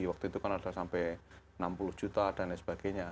waktu itu kan ada sampai enam puluh juta dan lain sebagainya